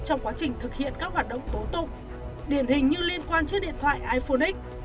trong quá trình thực hiện các hoạt động tố tục điển hình như liên quan chiếc điện thoại iphone x